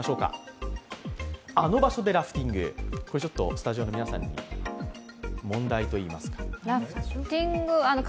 スタジオの皆さんに問題といいますか。